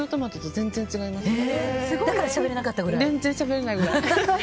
全然しゃべれないくらい。